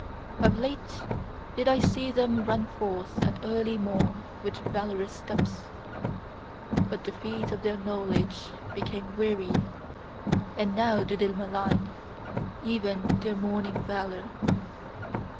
Of late did I see them run forth at early morn with valorous steps: but the feet of their knowledge became weary, and now do they malign even their morning valour!